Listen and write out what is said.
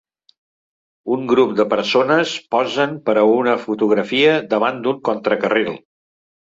Un grup de persones posen per a una fotografia davant d'un contracarril.